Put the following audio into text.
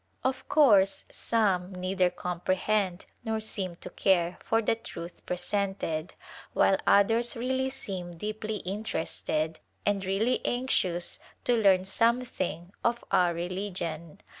Of course some neither comprehend nor seem to care for the truth presented, while others really seem deeply interested and really anxious to learn something of our religion.